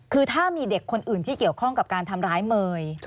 คือถ้ามีเด็กคนอื่นที่เกี่ยวข้องกับการทำร้ายเมย์